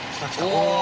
お！